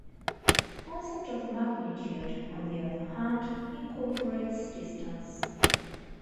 The concept of magnitude, on the other hand, incorporates distance.